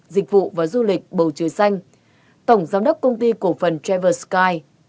dịch vụ và du lịch bầu trời xanh tổng giám đốc công ty cổ phần travel sky